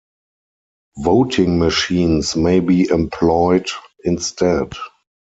Voting machines may be employed instead.